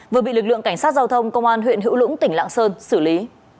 vừa bị lực lượng cảnh sát giao thông công an huyện hữu lũng tỉnh lạng sơn xử lý